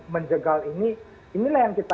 menjegal ini inilah yang kita